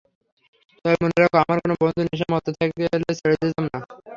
তবে মনে রাখ, আমার কোনো বন্ধু নেশায় মত্ত্ব থাকলে ছেড়ে যেতাম না!